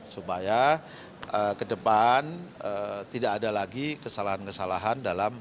supaya ke depan tidak ada lagi kesalahan kesalahan dalam